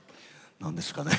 何ですかね。